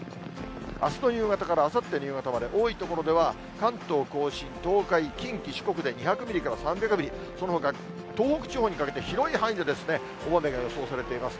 あすの夕方からあさっての夕方まで、多い所では関東甲信、東海、近畿、四国で２００ミリから３００ミリ、そのほか東北地方にかけて広い範囲で、大雨が予想されています。